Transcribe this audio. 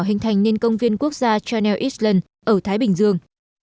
hình thành nên công viên quốc gia chanel island ở thái bình dương